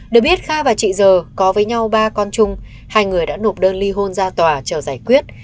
được biết kha và chị giờ có với nhau ba con chung hai người đã nộp đơn ly hôn ra tòa chờ giải quyết